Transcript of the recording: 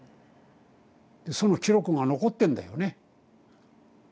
その記録が残ってんだよね。